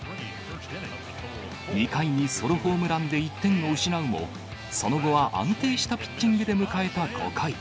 ２回にソロホームランで１点を失うも、その後は安定したピッチングで迎えた５回。